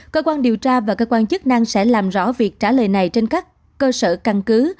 cơ quan điều tra và cơ quan chức năng sẽ làm rõ việc trả lời này trên các cơ sở căn cứ